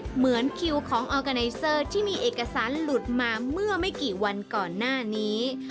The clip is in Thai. เหมือนคิวของออร์กาไนเซอร์ที่มีเอกสารหลุดมาเมื่อไม่กี่วันก่อนหน้านี้